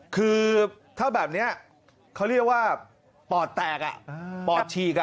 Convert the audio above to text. คือถ้าแบบนี้เขาเรียกว่าปอดแตกปอดฉีก